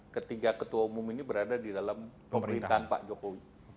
ketiga ketua umum ini berada di dalam pemerintahan pak jokowi